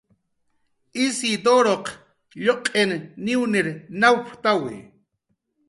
Isiduraq lluq'in niwnir nawptawi